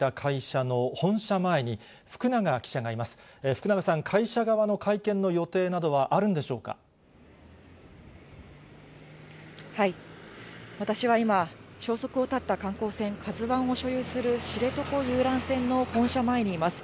福永さん、会社側の会見の予定な私は今、消息を絶った観光船、カズワンを所有する知床遊覧船の本社前にいます。